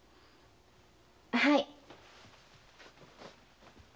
はい。